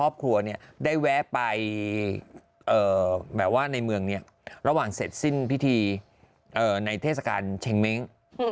แบบว่าในเมืองระหว่างเสร็จสิ้นพิธีในเทศกาลเช็งเม้ง